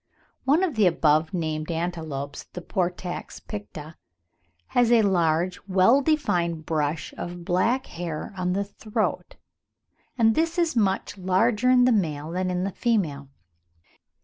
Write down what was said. One of the above named antelopes, the Portax picta, has a large well defined brush of black hair on the throat, and this is much larger in the male than in the female.